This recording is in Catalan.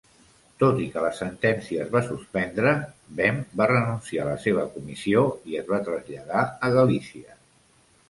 Tot i que la sentència es va suspendre, Bem va renunciar a la seva comissió i es va traslladar a Galícia.